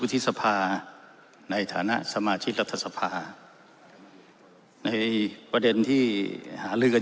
วุฒิษภาในฐาณสมาชิกรัฐศภาในประเด็นที่หาเรื่องกัน